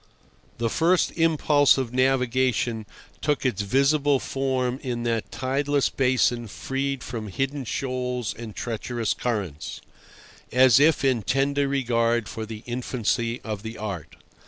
The first impulse of navigation took its visible form in that tideless basin freed from hidden shoals and treacherous currents, as if in tender regard for the infancy of the art.